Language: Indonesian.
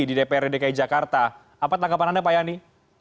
di dprdki jakarta apa tanggapan anda pak yani